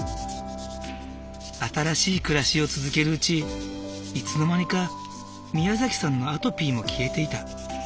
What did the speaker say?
新しい暮らしを続けるうちいつの間にかみやざきさんのアトピーも消えていた。